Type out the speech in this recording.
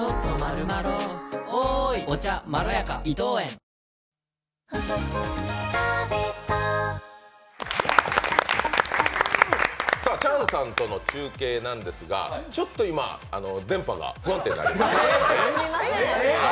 睡眠サポート「グリナ」チャンさんとの中継なんですがちょっと今、電波が不安定になりまして。